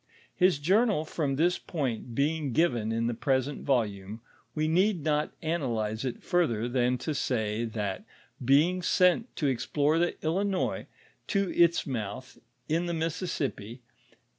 His journal from this point being given in the present volume, we need not anolyze it further than to say, thot being sent to explore the Blinois to its mouth, in the Mississippi (p.